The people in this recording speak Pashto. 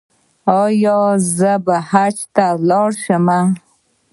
ایا زه به حج ته لاړ شم؟